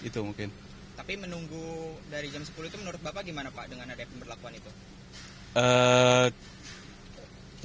tapi menunggu dari jam sepuluh itu menurut bapak gimana pak dengan adanya pemberlakuan itu